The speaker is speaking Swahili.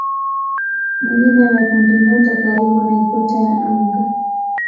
ni jina la kundinyota karibu na ikweta ya anga.